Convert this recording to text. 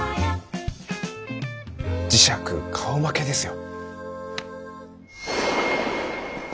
磁石顔負けですよ。